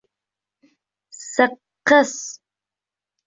Сыҡҡы... с-с...